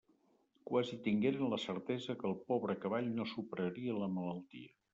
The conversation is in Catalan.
Quasi tingueren la certesa que el pobre cavall no superaria la malaltia.